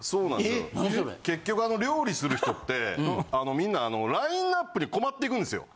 結局料理する人ってみんなラインナップに困っていくんですよ。